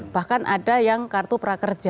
bahkan ada yang kartu prakerja